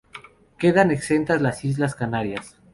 Quedan exentas las Islas Canarias.